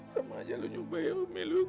sama aja lu nyubah ya umi lu